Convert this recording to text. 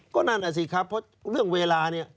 ก็นั่นแหละสิครับเพราะเรื่องเวลาเนี่ย